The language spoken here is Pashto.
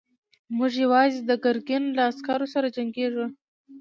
موږ يواځې د ګرګين له عسکرو سره جنګېږو.